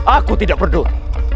aku tidak peduli